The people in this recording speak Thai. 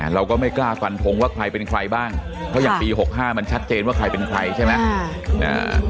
เราก็ไม่กล้าฟันทงว่าใครเป็นใครบ้างเพราะอย่างปี๖๕มันชัดเจนว่าใครเป็นใครใช่ไหม